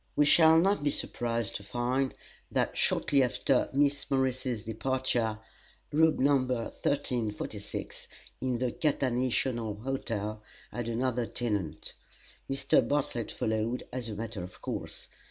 We shall not be surprised to find that shortly after Miss Morris's departure Room No. 1346 in the Catanational Hotel had another tenant. Mr. Bartlett followed, as a matter of course.